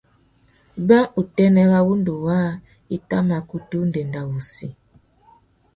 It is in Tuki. Being, utênê râ wŭndú waā i tà mà kutu ndénda wuchi.